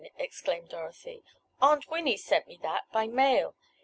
exclaimed Dorothy. "Aunt Winnie sent me that by mail.